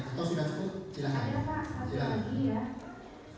atau sudah cukup silahkan